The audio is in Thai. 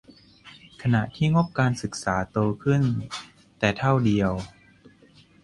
ขณะที่งบการศึกษาโตขึ้นแต่เท่าเดียว